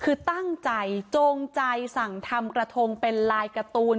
คือตั้งใจจงใจสั่งทำกระทงเป็นลายการ์ตูน